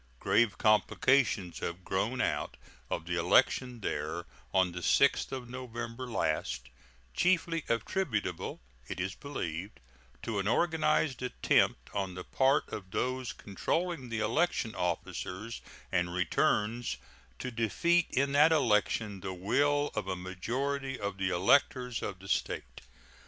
Grave complications have grown out of the election there on the 6th of November last, chiefly attributable, it is believed, to an organized attempt on the part of those controlling the election officers and returns to defeat in that election the will of a majority of the electors of the State.